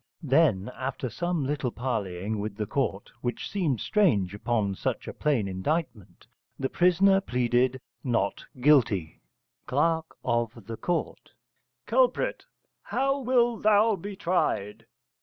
Then after some little parleying with the court (which seemed strange upon such a plain indictment) the prisoner pleaded Not Guilty. Cl. of Ct. Culprit. How wilt thou be tried?